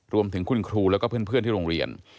รวมถึงคุณครูแล้วก็เพื่อนที่โรงเรียน